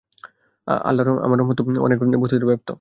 আমার রহমত তা তো প্রত্যেক বস্তুতে ব্যাপ্ত।